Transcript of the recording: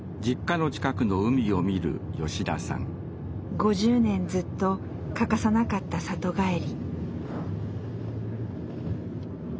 ５０年ずっと欠かさなかった里帰り。